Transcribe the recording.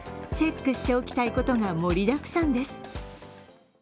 チェックしておきたいことが盛りだくさんです。